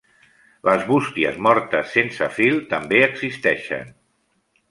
Les bústies mortes sense fil també existeixen.